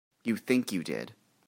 You think you did.